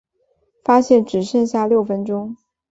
发现只剩下六分钟